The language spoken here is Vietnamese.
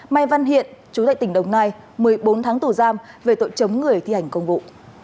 mai văn hiện chú tại tỉnh đồng nai một mươi bốn tháng tù giam về tội chống người thi hành công vụ